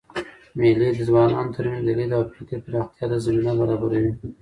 مېلې د ځوانانو ترمنځ د لید او فکر پراختیا ته زمینه برابروي.